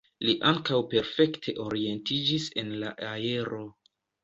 Li ankaŭ perfekte orientiĝis en la aero.